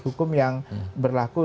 hukum yang berlaku